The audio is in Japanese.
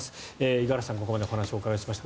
五十嵐さんにここまでお話をお伺いしました。